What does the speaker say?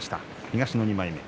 東の２枚目。